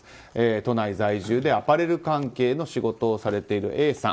都内在住でアパレル関係の仕事をされているＡさん